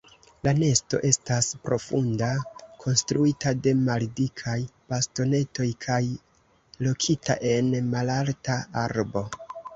La nesto estas profunda, konstruita de maldikaj bastonetoj kaj lokita en malalta arbo.